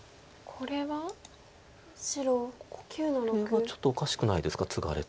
これはちょっとおかしくないですかツガれて。